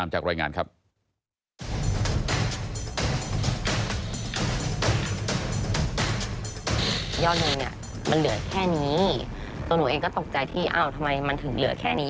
เหลือแค่นี้ตัวหนูเองก็ตกใจที่เอ้าทำไมมันถึงเหลือแค่นี้